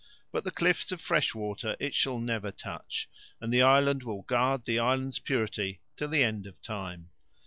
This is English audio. But the cliffs of Freshwater it shall never touch, and the island will guard the Island's purity till the end of time.